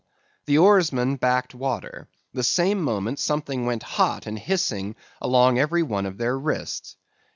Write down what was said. The oarsmen backed water; the same moment something went hot and hissing along every one of their wrists.